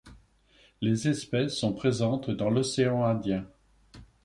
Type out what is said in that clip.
Les espèces sont présentes dans l'océan Indien.